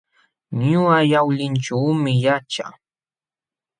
Ñuqa Yawlićhuumi yaćhaa.